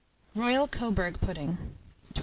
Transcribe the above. ROYAL COBURG PUDDING. 1260.